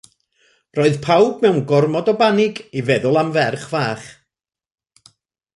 Roedd pawb mewn gormod o banig i feddwl am ferch fach.